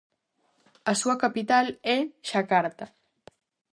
A súa capital é Xacarta.